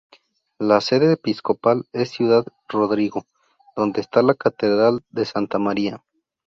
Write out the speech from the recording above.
La sede episcopal es Ciudad Rodrigo, donde está la catedral de santa María.